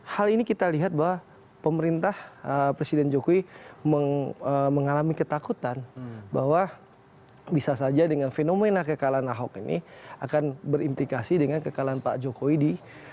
hal ini kita lihat bahwa pemerintah presiden jokowi mengalami ketakutan bahwa bisa saja dengan fenomena kekalahan ahok ini akan berimplikasi dengan kekalahan pak jokowi di dua ribu dua puluh empat